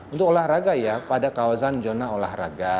untuk olahraga ya pada kawasan zona olahraga